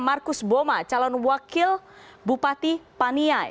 markus boma calon wakil bupati paniai